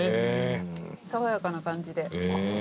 爽やかな感じで。